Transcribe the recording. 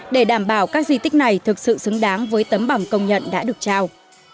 để đảm bảo các di tích này thực sự xứng đáng với tấm bằng công nhận đã được trao